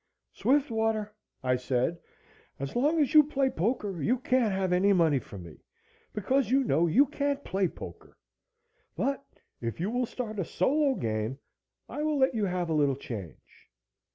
"Swiftwater," I said, "as long as you play poker you can't have any money from me, because you know you can't play poker. But if you will start a solo game I will let you have a little change."